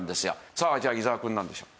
さあじゃあ伊沢くんなんでしょう？